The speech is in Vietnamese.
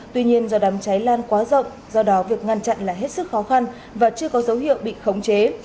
tuy nhiên do đám cháy lan quá rộng do đó việc ngăn chặn là hết sức khó khăn và chưa có dấu hiệu bị khống chế